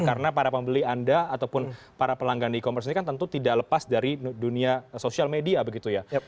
karena para pembeli anda ataupun para pelanggan di e commerce ini kan tentu tidak lepas dari dunia sosial media begitu ya